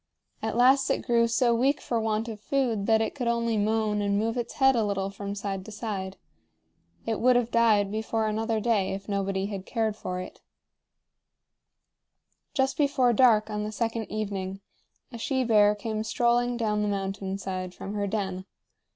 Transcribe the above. At last it grew so weak for want of food that it could only moan and move its head a little from side to side. It would have died before another day if nobody had cared for it. Just before dark on the second evening, a she bear came strolling down the mountain side from her den.